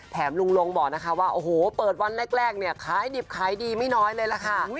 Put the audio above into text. แถมลุงลงบอกว่าโอ้โหเปิดวันแรกคล้ายดิบคล้ายดีไม่น้อยเลยค่ะ